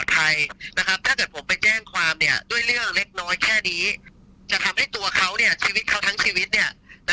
ธนายเดชาอะไรเยอะขนาดนี้